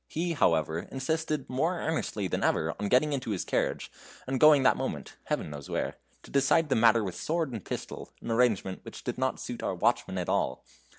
He, however, insisted more earnestly than ever on getting into his carriage, and going that moment Heaven knows where to decide the matter with sword and pistol, an arrangement which did not suit our watchman at all.